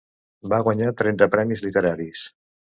Va guanyar trenta premis literaris.